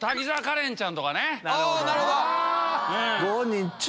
なるほど！